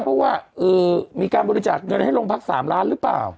เพราะว่ามีการบริจาคเงินให้โรงพัก๓ล้านหรือเปล่า